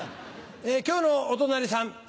今日のお隣さん